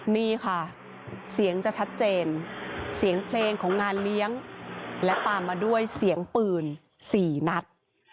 นี่ค่ะเสียงจะชัดเจนเสียงเพลงของงานเลี้ยงและตามมาด้วยเสียงปืน๔นัด